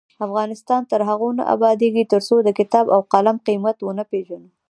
افغانستان تر هغو نه ابادیږي، ترڅو د کتاب او قلم قیمت ونه پیژنو.